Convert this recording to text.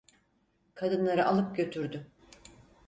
Kadınları alıp götürdü.